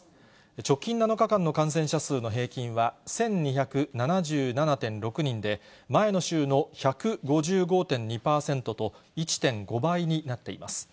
直近７日間の感染者数の平均は１２７７．６人で、前の週の１５５．２％と、１．５倍になっています。